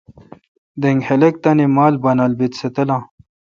دینگ خلق تانی مال بانال بیت سہ تلاں۔